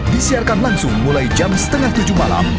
disiarkan langsung mulai jam setengah tujuh malam